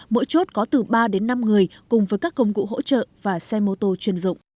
mỗi chốt có từ ba đến năm người cùng với các công cụ hỗ trợ và xe mô tô chuyên dụng